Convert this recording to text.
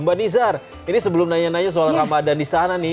mbak nizar ini sebelum nanya nanya soal ramadan di sana nih